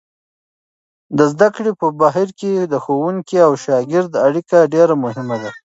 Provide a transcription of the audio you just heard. د زده کړې په بهیر کې د ښوونکي او شاګرد اړیکه ډېره مهمه ده.